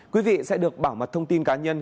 quý vị sẽ được bảo mật thông tin cá nhân